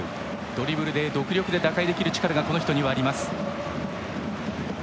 ドリブルで独力で打開できる力がこの人にはあります。